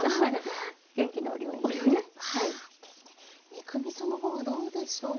肉みそのほうはどうでしょうか？